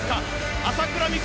朝倉未来